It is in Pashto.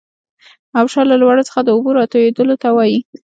ابشار له لوړو څخه د اوبو راتویدلو ته وايي.